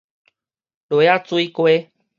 螺仔水雞